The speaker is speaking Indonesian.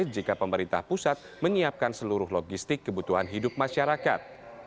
jika pemerintah pusat menyiapkan seluruh logistik kebutuhan hidup masyarakat